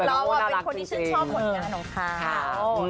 ลองแม้ว่าเป็นคนชื่นชอบผลงานของคร่าว